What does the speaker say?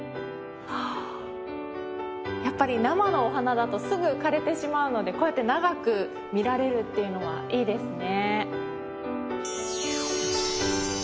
やっぱり生のお花だとすぐ枯れてしまうのでこうやって長く見られるっていうのはいいですね。